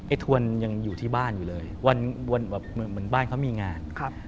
ไอ้ทวนยังอยู่ที่บ้านอยู่เลยเหมือนบ้านเขามีงาน